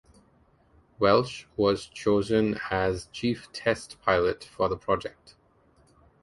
Welch was chosen as chief test pilot for the project.